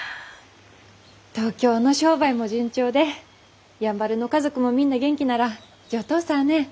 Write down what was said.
東京の商売も順調でやんばるの家族もみんな元気なら上等さぁねぇ。